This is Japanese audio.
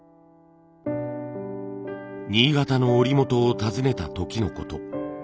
新潟の織元を訪ねた時のこと。